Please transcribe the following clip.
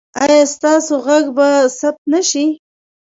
ایا ستاسو غږ به ثبت نه شي؟